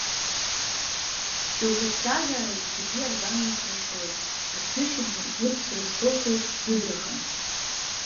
Шьоук рыԥсҭазаара иахьагьы аргама исрашоит, аҽнышьыбжьон урҭ срызкылҟьоит сдыдраха.